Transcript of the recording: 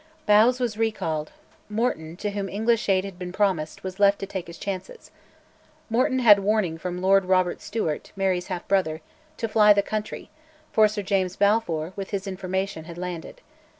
Bowes was recalled; Morton, to whom English aid had been promised, was left to take his chances. Morton had warning from Lord Robert Stewart, Mary's half brother, to fly the country, for Sir James Balfour, with his information, had landed.